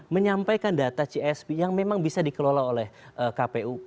menyampaikan data csp yang memang bisa dikelola oleh kpu